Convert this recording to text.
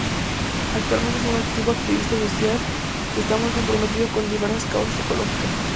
Actualmente es un activo activista social y está muy comprometido con diversas causas ecológicas.